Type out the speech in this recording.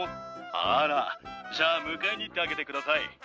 あーら、じゃあ、迎えに行ってあげてください。